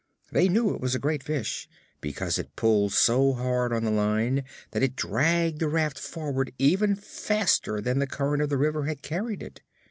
They knew it was a great fish, because it pulled so hard on the line that it dragged the raft forward even faster than the current of the river had carried it.